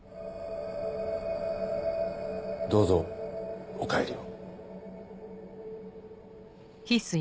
どうぞお帰りを。